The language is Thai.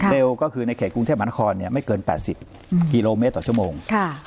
เร็วก็คือในเขตกรุงเทพมหานครไม่เกิน๘๐กิโลเมตรต่อชั่วโมง